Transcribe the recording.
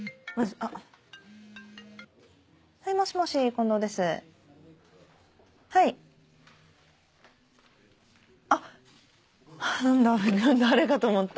あっあぁ何だ誰かと思った。